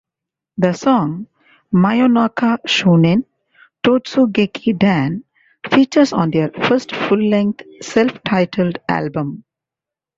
The song "Mayonaka Shounen Totsugeki Dan" features on their first full length, self-titled album.